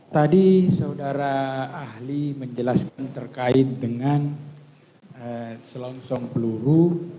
tadi saudara ahli menjelaskan terkait dengan selongsong peluru